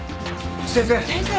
先生。